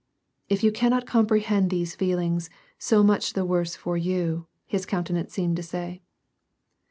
" If you cannot compre hend these feelings, so much the worse for you," his counte nance seemed to say.